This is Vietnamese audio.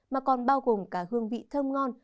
mà còn bao gồm cả hương vị thơm ngon